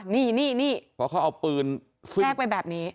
นี่เพราะเขาเอาปืนแทรกไปแบบนี้